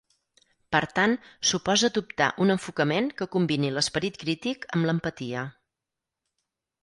Per tant suposa adoptar un enfocament que combini l'esperit crític amb l'empatia.